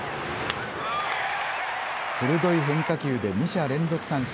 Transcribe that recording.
鋭い変化球で２者連続三振。